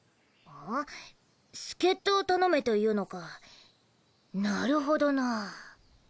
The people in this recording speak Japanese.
ん？助っ人を頼めと言うのかなるほどな。